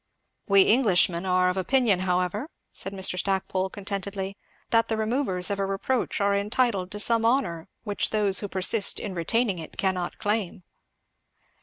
"We Englishmen are of opinion, however," said Mr. Stackpole contentedly, "that the removers of a reproach are entitled to some honour which those who persist in retaining it cannot claim."